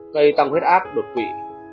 gây tăng huyết áp đột quỷ